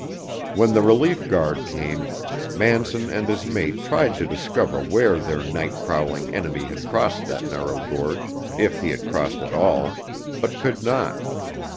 When the relief guard came, Manson and his mate tried to discover where their night prowling enemy had crossed that narrow gorge, if he had crossed at all, but could not.